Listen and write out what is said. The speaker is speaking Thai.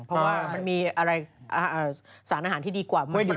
เพราะว่ามันมีอะไรสารอาหารที่ดีกว่ามั่ว